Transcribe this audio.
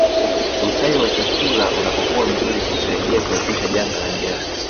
Ustawi wa chakula unapokuwa mzuri huasaidia kuepusha janga la njaa